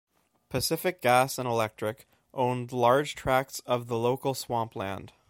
Pacific Gas and Electric owned large tracts of the local swampland.